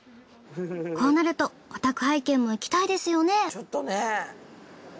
こうなるとお宅拝見も行きたいですよね。